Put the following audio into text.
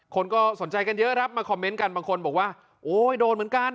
คนก็สนใจกันเยอะครับมาคอมเมนต์กันบางคนบอกว่าโอ้ยโดนเหมือนกัน